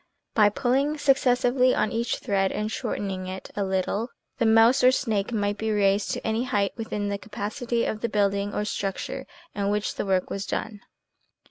By pulling successively on each thread and shortening it a little, the mouse or snake might be raised to any height within the capacity of the building or structure in which the work was done.